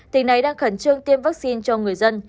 tỉnh này đang khẩn trương tiêm vaccine cho người dân